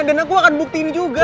dan aku akan buktiin juga